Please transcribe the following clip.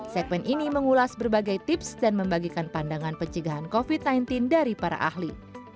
segmen ini mengulas berbagai tips dan membagikan pandangan pencegahan covid sembilan belas dari para ahli